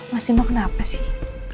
mas dimo kenapa sih